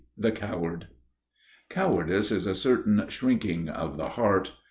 III The Coward (Δειλία) Cowardice is a certain shrinking of the heart.